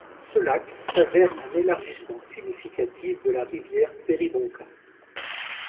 Ce lac s’avère un élargissement significatif de la rivière Péribonka.